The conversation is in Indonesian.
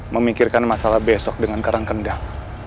memikirkan masalah besok dengan karang kendang